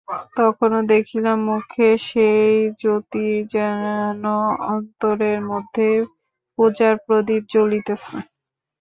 তখনো দেখিলাম মুখে সেই জ্যোতি, যেন অন্তরের মধ্যে পূজার প্রদীপ জ্বলিতেছে।